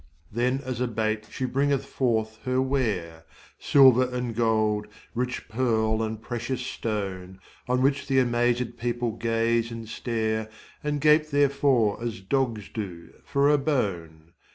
Then as a bait she bringeth forth her ware, Silver and gold, rich pearl and precious stone, On which the amazed people gaze and stare And gape therefore as dogs do for a bone.